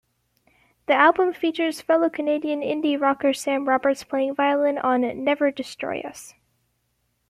The album features fellow Canadian indie-rocker Sam Roberts playing violin on "Never Destroy Us".